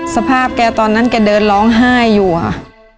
สภาพแกตอนนั้นแกเดินร้องไห้อยู่ค่ะ